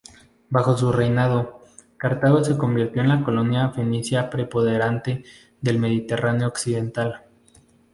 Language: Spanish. Bajo su reinado, Cartago se convirtió en la colonia fenicia preponderante del Mediterráneo occidental.